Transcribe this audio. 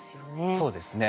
そうですね。